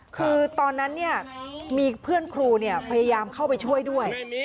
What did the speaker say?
คือตอนนั้นมีเพื่อนครูพยายามเข้าไปช่วยด้วย